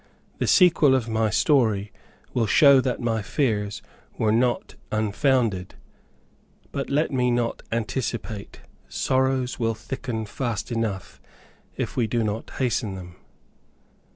The sequel of my story will show that my fears were not unfounded; but let me not anticipate. Sorrows will thicken fast enough, if we do not hasten them.